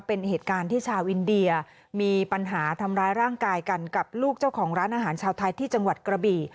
เป็นเหตุการณ์ที่ชาวอินเดียมีปัญหาทำร้ายร่างกายกันกับลูกเจ้าของร้านอาหารชาวไทยที่จังหวัดกระบี่